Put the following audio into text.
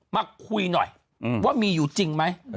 มาคุยหน่อยว่ามีอยู่จริงไหม